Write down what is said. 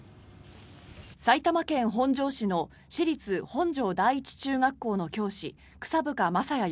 埼玉県本庄市の市立本庄第一中学校の教師草深将也